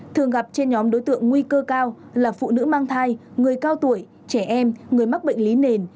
thường gặp trên nhóm đối tượng nguy cơ cao là phụ nữ mang thai người cao tuổi trẻ em người mắc bệnh lý nền